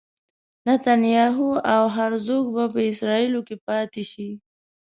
نتنیاهو او هرزوګ به په اسرائیلو کې پاتې شي.